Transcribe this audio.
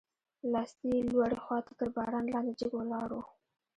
لاستي یې لوړې خواته تر باران لاندې جګ ولاړ و.